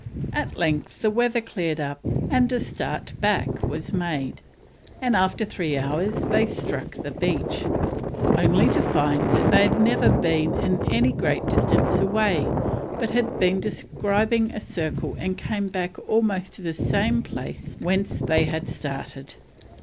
At length the weather cleared up and a start back was made, and after three hours they struck the beach, only to find they had never been any great distance away but had been describing a circle and came back almost to the place whence they had started.